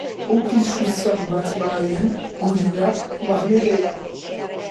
Opil suitzar bat mahaian, gurina, mermelada.